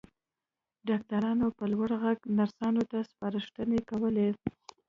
ډاکټرانو په لوړ غږ نرسانو ته سپارښتنې کولې.